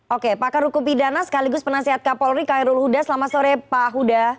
oke pakar rukupi dana sekaligus penasihat kapolri kairul huda selamat sore pak huda